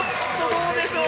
どうでしょう？